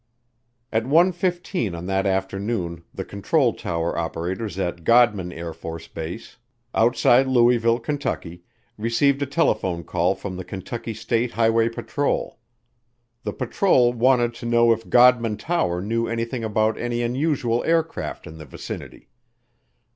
At one fifteen on that afternoon the control tower operators at Godman AFB, outside Louisville, Kentucky, received a telephone call from the Kentucky State Highway Patrol. The patrol wanted to know if Godman Tower knew anything about any unusual aircraft in the vicinity.